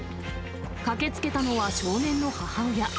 駆けつけたのは少年の母親。